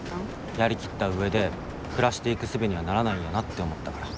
やりきった上で暮らしていくすべにはならないんやなって思ったから。